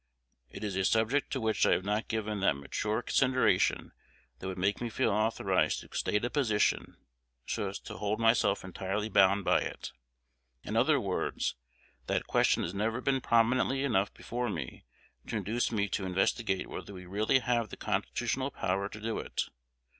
It is a subject to which I have not given that mature consideration that would make me feel authorized to state a position so as to hold myself entirely bound by it. In other words, that question has never been prominently enough before me to induce me to investigate whether we really have the constitutional power to do it.